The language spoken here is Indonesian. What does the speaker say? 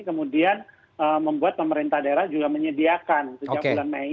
kemudian membuat pemerintah daerah juga menyediakan sejak bulan mei